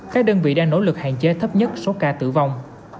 các đơn vị đang nỗ lực hạn chế thấp nhất số ca tử vong